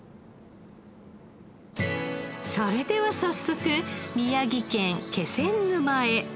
それでは早速宮城県気仙沼へ。